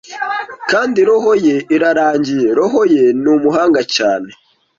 Kandi roho ye irarangiye, roho ye ni umuhanga cyane.